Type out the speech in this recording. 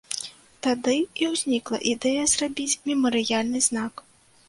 Тады і ўзнікла ідэя зрабіць мемарыяльны знак.